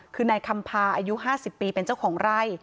คือนายคำพาอายุ๕๐ปีเป็นเจ้าของไร่